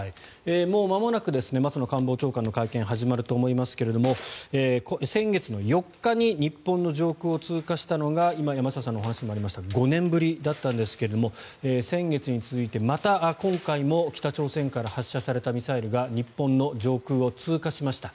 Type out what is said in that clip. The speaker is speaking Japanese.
もうまもなく松野官房長官の会見が始まると思いますが先月４日に日本の上空を通過したのが今、山下さんのお話にもありましたが５年ぶりだったんですが先月に続いてまた今回も北朝鮮から発射されたミサイルが日本の上空を通過しました。